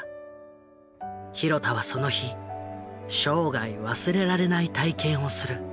廣田はその日生涯忘れられない体験をする。